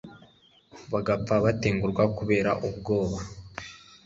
bagapfa batengurwa kubera ubwoba